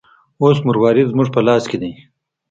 اوس مروارید زموږ په لاس کې دی.